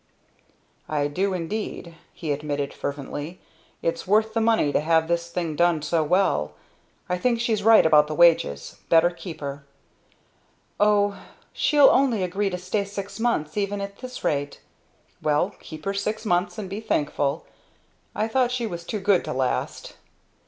"I do indeed," he admitted fervently. "It's worth the money to have this thing done so well. I think she's right about the wages. Better keep her." "O she'll only agree to stay six months even at this rate!" "Well keep her six months and be thankful. I thought she was too good to last!"